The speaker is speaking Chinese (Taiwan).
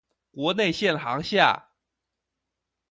國內線航廈